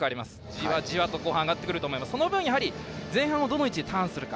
じわじわと上がってくると思います前半、どの位置でターンをするか。